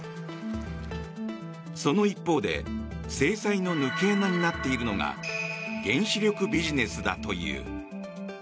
その一方で制裁の抜け穴になっているのが原子力ビジネスだという。